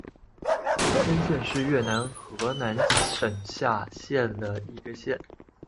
维先县是越南河南省下辖的一个县。